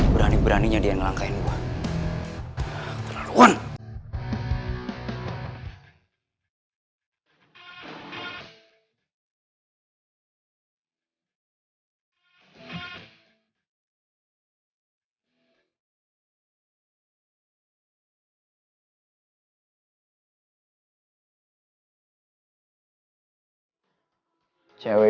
berani beraninya dian ngelangkain gue